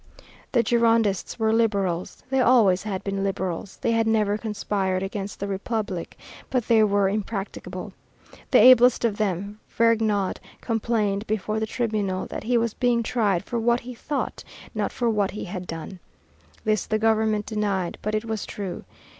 The Girondists were liberals. They always had been liberals; they had never conspired against the Republic; but they were impracticable. The ablest of them, Vergniaud, complained before the Tribunal, that he was being tried for what he thought, not for what he had done. This the government denied, but it was true.